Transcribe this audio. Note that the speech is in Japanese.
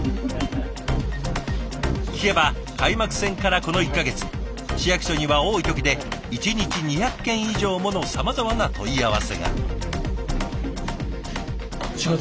聞けば開幕戦からこの１か月市役所には多い時で１日２００件以上ものさまざまな問い合わせが。